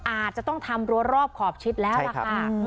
อาจจะต้องทำรัวรอบขอบชิดแล้วล่ะค่ะ